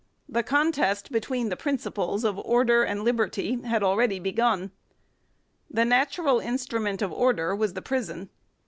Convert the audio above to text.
The contest between the principles of order and liberty had already begun. The natural instrument of order was the prison.